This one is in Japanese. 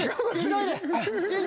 急いで！